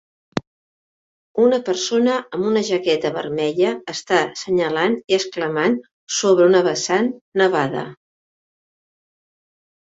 Una persona amb una jaqueta vermella està senyalant i exclamant sobre una vessant nevada.